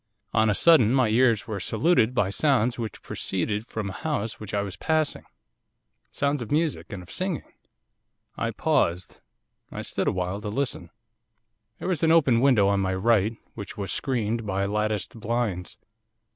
On a sudden my ears were saluted by sounds which proceeded from a house which I was passing, sounds of music and of singing. 'I paused. I stood awhile to listen. 'There was an open window on my right, which was screened by latticed blinds.